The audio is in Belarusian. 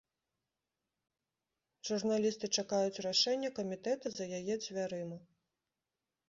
Журналісты чакаюць рашэння камітэта за яе дзвярыма.